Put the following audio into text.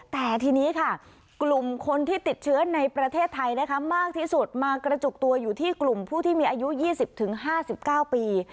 แต่ทีนี้ค่ะกลุ่มคนที่ติดเชื้อในประเทศไทยนะคะมากที่สุดมากระจุกตัวอยู่ที่กลุ่มผู้ที่มีอายุ๒๐๕๙ปี